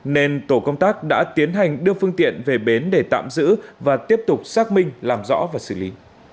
nên tổ công tác đã tiến hành đưa phương tiện về bến để tạm giữ và tiếp tục xác minh làm rõ và xử lý